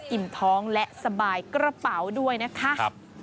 อิ่มท้องและสบายกระเป๋าด้วยนะคะ